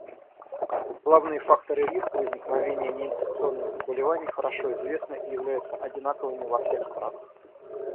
Главные факторы риска возникновения неинфекционных заболеваний хорошо известны и являются одинаковыми во всех странах.